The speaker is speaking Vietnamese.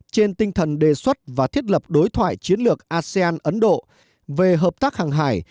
trên tinh thần đề xuất và thiết lập đối thoại chiến lược asean ấn độ về hợp tác hàng hải